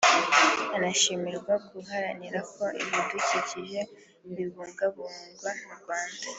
unashimirwa guharanira ko ibidukikije bibungabungwa mu Rwanda